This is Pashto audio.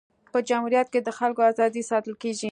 په جمهوریت کي د خلکو ازادي ساتل کيږي.